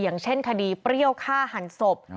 อย่างเช่นคดีเปรี้ยวฆ่าหันศพ